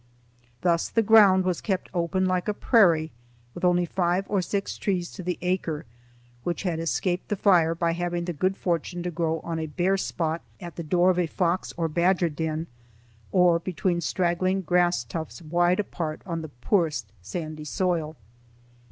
Thus the ground was kept open like a prairie, with only five or six trees to the acre, which had escaped the fire by having the good fortune to grow on a bare spot at the door of a fox or badger den, or between straggling grass tufts wide apart on the poorest sandy soil.